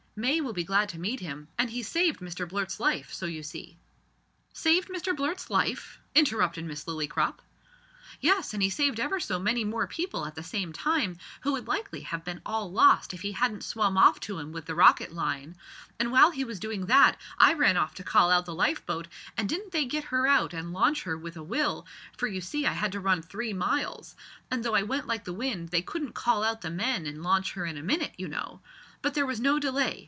May will be glad to meet him; and he saved Mr Blurt's life, so you see " "Saved Mr Blurt's life!" interrupted Miss Lillycrop. "Yes, and he saved ever so many more people at the same time, who would likely have been all lost if he hadn't swum off to 'em with the rocket line, and while he was doing that I ran off to call out the lifeboat, an' didn't they get her out and launch her with a will for you see I had to run three miles, and though I went like the wind they couldn't call out the men and launch her in a minute, you know; but there was no delay.